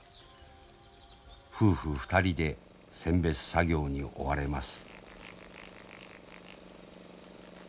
夫婦２人で選別作業に追われます。